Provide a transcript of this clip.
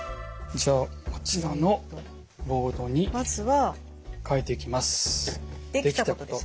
じゃあこちらのボードに書いていきます。